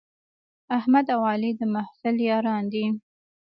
احمد او علي د محفل یاران دي.